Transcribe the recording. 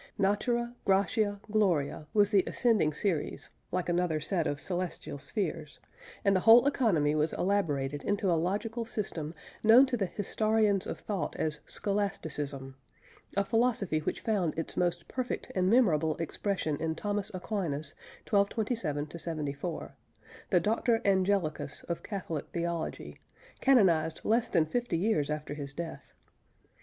Natura, gratia, gloria was the ascending series (like another set of celestial spheres), and the whole economy was elaborated into a logical system, known to the historians of thought as Scholasticism: a philosophy which found its most perfect and memorable expression in Thomas Aquinas (1227 74), the doctor angelicus of Catholic theology, canonised less than fifty years after his death.